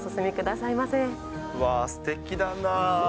うわー、すてきだな。